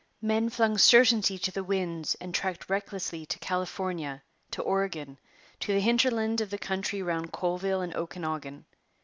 Men flung certainty to the winds and trekked recklessly to California, to Oregon, to the hinterland of the country round Colville and Okanagan.